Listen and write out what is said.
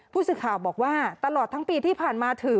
ผู้สื่อข่าวบอกว่าตลอดทั้งปีที่ผ่านมาถือ